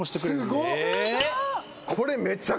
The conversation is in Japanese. すごっ！